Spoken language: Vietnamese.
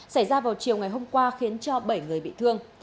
xảy ra vào chiều ngày hôm qua khiến cho bảy người bị thương